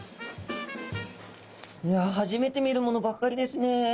いや初めて見るものばっかりですね。